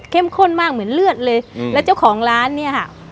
ข้นมากเหมือนเลือดเลยแล้วเจ้าของร้านเนี่ยค่ะ